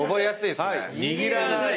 握らない。